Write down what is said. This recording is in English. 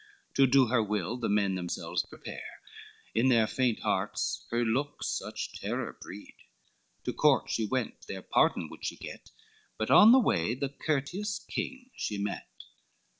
To do her will the men themselves prepare, In their faint hearts her looks such terror breed; To court she went, their pardon would she get, But on the way the courteous king she met.